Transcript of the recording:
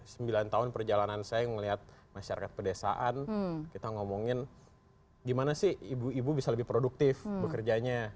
sembilan tahun perjalanan saya melihat masyarakat pedesaan kita ngomongin gimana sih ibu ibu bisa lebih produktif bekerjanya